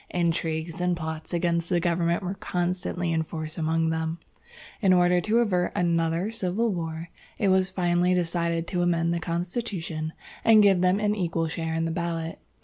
Intrigues and plots against the government were constantly in force among them. In order to avert another civil war, it was finally decided to amend the constitution, and give them an equal share in the ballot.